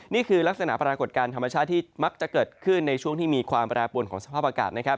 นี่คือลักษณะปรากฏการณ์ธรรมชาติที่มักจะเกิดขึ้นในช่วงที่มีความแปรปวนของสภาพอากาศนะครับ